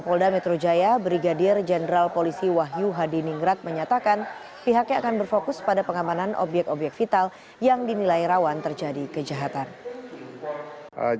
polda metro jaya brigadir jenderal polisi wahyu hadiningrat menyatakan pihaknya akan berfokus pada pengamanan obyek obyek vital yang dinilai rawan terjadi kejahatan